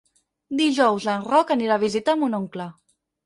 Dijous en Roc anirà a visitar mon oncle.